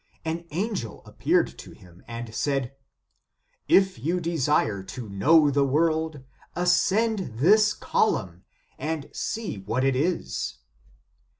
An angel appeared to him and said :" If you desire to know the world, ascend this column, and see what it is."